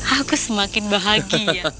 aku semakin bahagia